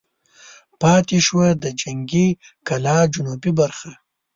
پاتې شوه د جنګي کلا جنوبي برخه.